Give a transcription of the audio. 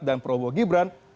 dan peroboh gibran